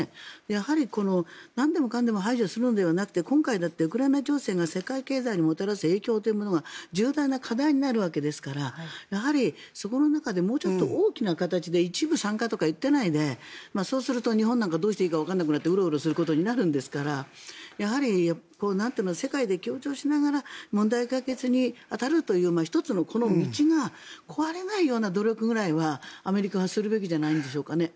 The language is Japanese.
やはり、なんでもかんでも排除するのではなくて今回だってウクライナ情勢が世界経済にもたらす影響というものが重大な課題になるわけですからやはり、そこの中でもうちょっと大きな形で一部参加とか言ってないでそうすると日本なんかどうしたらいいかわからなくなってうろうろすることになるんですからやはり、世界で協調しながら問題解決に当たるという１つの道が壊れないような努力ぐらいはアメリカはするべきじゃないんでしょうかね。